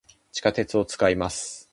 地下鉄を、使います。